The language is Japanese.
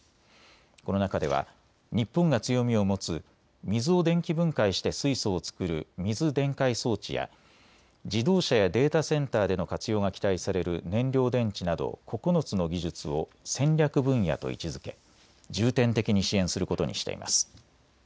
この中では日本が強みを持つ水を電気分解して水素を作る水電解装置や自動車やデータセンターでの活用が期待される燃料電池など９つの技術を戦略分野と位置づけ重点的に支援することにしています。